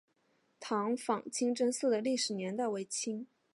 塘坊清真寺的历史年代为清。